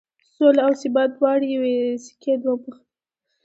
سوله او ثبات دواړه د یوې سکې دوه مخ دي.